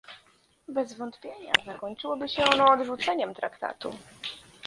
Bez wątpienia zakończyłoby się ono odrzuceniem traktatu